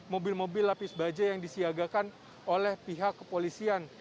mobil mobil lapis baja yang disiagakan oleh pihak kepolisian